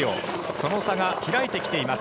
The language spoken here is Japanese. その差が開いてきています。